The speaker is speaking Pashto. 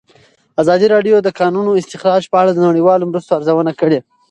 ازادي راډیو د د کانونو استخراج په اړه د نړیوالو مرستو ارزونه کړې.